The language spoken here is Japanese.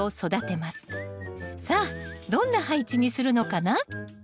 さあどんな配置にするのかな？